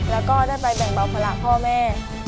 และก็ได้ไปแบ่งบ่าพละพ่อแม่